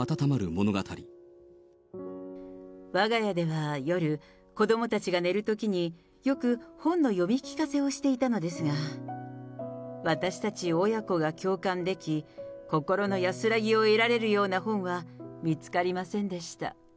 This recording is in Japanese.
わが家では夜、子どもたちが寝るときに、よく本の読み聞かせをしていたのですが、私たち親子が共感でき、心の安らぎを得られるような本は見つかりませんでした。